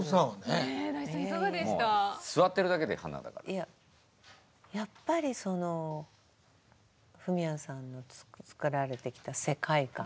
いややっぱりそのフミヤさんのつくられてきた世界観